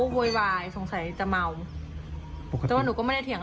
พ่อใหม่พ่อเขาเริ่มมีปากเสียง